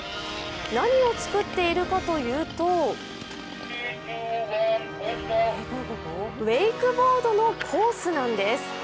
何を作っているかというとウェイクボードのコースなんです。